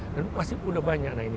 dan pasti sudah banyak